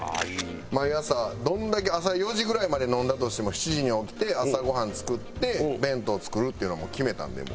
毎朝どんだけ朝４時ぐらいまで飲んだとしても７時には起きて朝ごはん作って弁当作るっていうのは決めたんでもう。